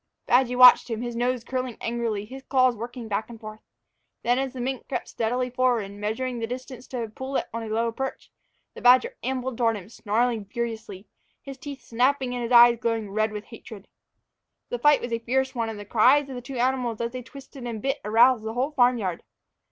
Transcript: Badgy watched him, his nose curling angrily, his claws working back and forth. Then, as the mink crept stealthily forward, measuring the distance to a pullet on a lower perch, the badger ambled toward him, snarling furiously, his teeth snapping and his eyes glowing red with hatred. The fight was a fierce one, and the cries of the two animals as they twisted and bit aroused the whole barn yard.